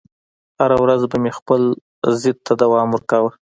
هره ورځ به مې خپل ضد ته دوام ورکاوه